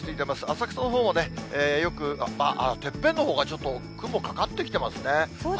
浅草のほうも、よく、てっぺんのほうが、ちょっと雲かかってきてますね。